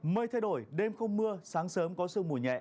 mây thay đổi đêm không mưa sáng sớm có sương mù nhẹ